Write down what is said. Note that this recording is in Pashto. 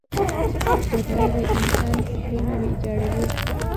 جګړه د انسان فکرونه ویجاړوي